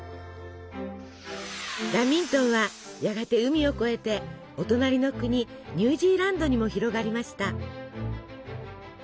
ラミントンはやがて海を越えてお隣の国ニュージーランドにも広がりました。